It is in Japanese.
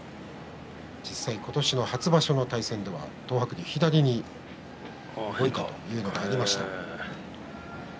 実際、今年の初場所の対戦では東白龍、左に変化というのがありました。